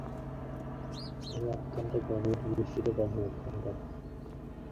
তিনি অত্যন্ত গভীর দৃষ্টিতে পর্যবেক্ষণ করেন।